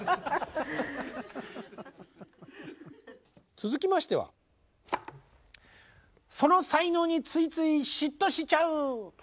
続きましては「その才能についつい嫉妬しちゃう！」